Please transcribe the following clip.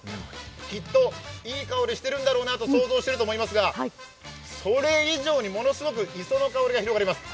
きっといい香りしてるんだろうと想像してると思いますが、それ以上にものすごく磯の香りが広がります。